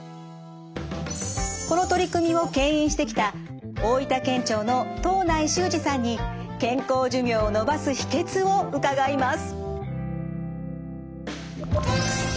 この取り組みをけん引してきた大分県庁の藤内修二さんに健康寿命を延ばす秘けつを伺います。